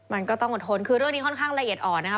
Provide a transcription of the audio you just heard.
มันก็ต้องอดทนคือเรื่องนี้ค่อนข้างละเอียดอ่อนนะครับ